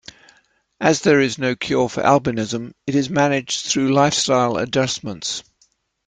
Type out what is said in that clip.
As there is no cure for albinism, it is managed through lifestyle adjustments.